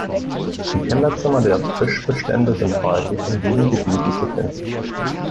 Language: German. Die Kinderzimmer der Fischbestände sind häufig in diesen Gebieten zu finden.